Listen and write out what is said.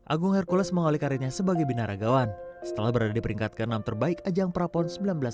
agung hercules mengalih karirnya sebagai binaragawan setelah berada di peringkat ke enam terbaik ajang prapon seribu sembilan ratus sembilan puluh